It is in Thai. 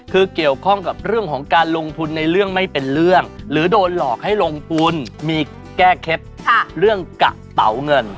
คือเกี่ยวข้องกับเรื่องของการลงทุนในเรื่องไม่เป็นเรื่องหรือโดนหลอกให้ลงทุนมีแก้เคล็ดเรื่องกะเต๋าเงิน